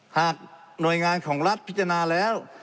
หากหน่วยงานของรัฐพิจารณาแล้ว